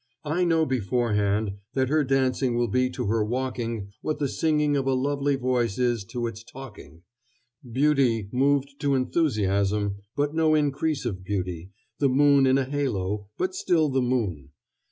I know beforehand that her dancing will be to her walking what the singing of a lovely voice is to its talking beauty moved to enthusiasm, but no increase of beauty; the moon in a halo, but still the moon.